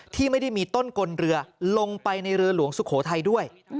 ที่ไม่ได้มีต้นกลเรือลงไปในเรือหลวงสุโขทัยด้วย